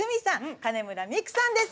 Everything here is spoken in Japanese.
金村美玖さんです。